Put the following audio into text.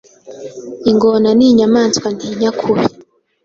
ingona ni inyamaswa ntinya kubi